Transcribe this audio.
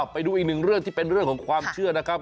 ไปดูอีกหนึ่งเรื่องที่เป็นเรื่องของความเชื่อนะครับ